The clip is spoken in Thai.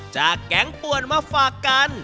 จากแก๊งปวดมาฝากกัน